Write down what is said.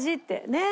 ねえ。